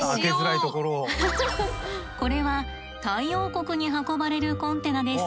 これはタイ王国に運ばれるコンテナです。